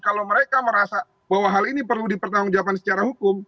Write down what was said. kalau mereka merasa bahwa hal ini perlu dipertanggungjawabkan secara hukum